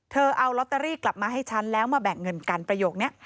เอาลอตเตอรี่กลับมาให้ฉันแล้วมาแบ่งเงินกันประโยคนี้